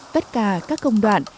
tất cả các công đoạn